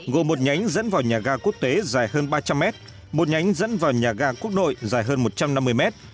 gồm một nhánh dẫn vào nhà ga quốc tế dài hơn ba trăm linh mét một nhánh dẫn vào nhà ga quốc nội dài hơn một trăm năm mươi mét